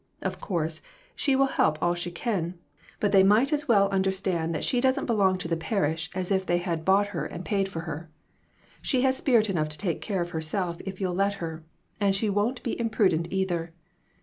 Of course, she will help all she can, but they might as well understand that she doesn't belong RECONCILIATIONS. 123 to the parish as if they had bought her and paid for her. She has spirit enough to take care of herself if you'll let her, and she won't be impru dent, either.